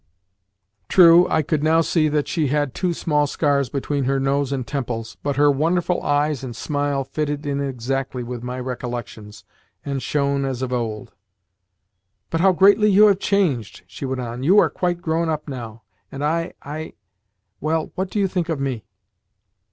True, I could now see that she had two small scars between her nose and temples, but her wonderful eyes and smile fitted in exactly with my recollections, and shone as of old. "But how greatly you have changed!" she went on. "You are quite grown up now. And I I well, what do you think of me?"